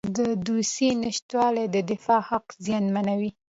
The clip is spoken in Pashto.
د دوسیې نشتوالی د دفاع حق زیانمنوي.